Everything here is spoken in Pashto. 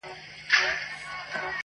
د ده حکم، که خبره وه قانون وو.!